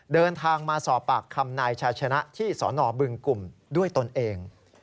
เดินทางมาสอบปากคำนายชาชนะที่สนบึงกลุ่มด้วยตนเอง